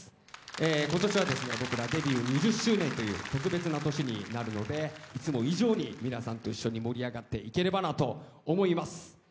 今年は僕らデビュー２０周年という特別な年になるのでいつも以上に皆さんと一緒に盛り上がっていければなと思います。